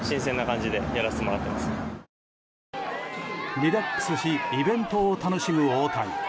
リラックスしイベントを楽しむ大谷。